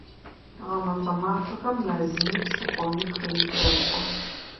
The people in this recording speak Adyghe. Гъэмэфэ мафэхэм мэзыми, псыхъоми, хыми тэкӀо.